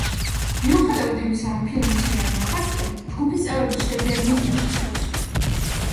მიუხედავად იმისა, რომ ფილმი მთლიანად ნახატია, ჯგუფის წევრები ჩნდებიან მის დასასრულს.